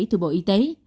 từ bộ y tế